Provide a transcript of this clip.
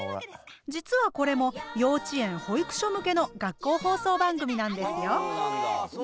実はこれも幼稚園・保育所向けの学校放送番組なんですよ。